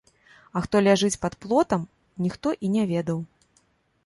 А хто ляжыць пад плотам, ніхто і не ведаў.